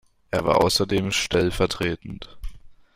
Er war außerdem stellv.